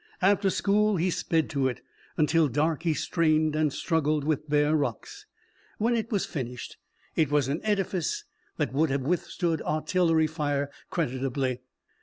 After school he sped to it. Until dark he strained and struggled with bare rocks. When it was finished, it was an edifice that would have withstood artillery fire creditably.